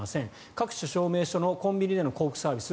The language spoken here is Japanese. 各種証明書のコンビニでの交付サービス